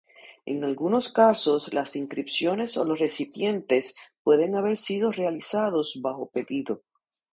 En algunos casos, las inscripciones o los recipientes pueden haber sido realizados bajo pedido.